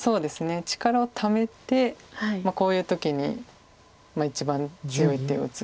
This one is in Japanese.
力をためてこういう時に一番強い手を打つ。